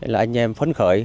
là anh em phân khởi